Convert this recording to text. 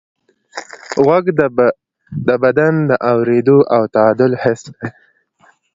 غوږ د بدن د اورېدو او تعادل حس دی.